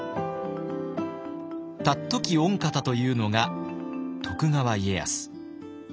「尊き御方」というのが徳川家康。